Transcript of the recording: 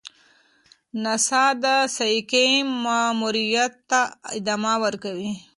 ناسا د سایکي ماموریت ته ادامه ورکوي.